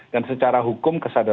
dan secara hukum kesadaran